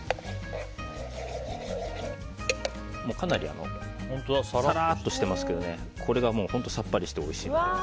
かなりさらっとしてますけどこれが本当にさっぱりしておいしいんです。